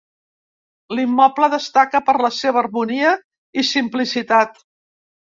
L'immoble destaca per la seva harmonia i simplicitat.